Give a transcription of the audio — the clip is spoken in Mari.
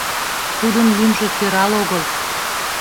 Тудын лӱмжӧ сӧрал огыл.